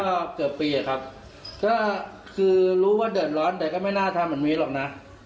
ก็เกือบปีครับคือรู้ว่าเดินร้อนก็ไม่น่าทำที่มีล่ะนะ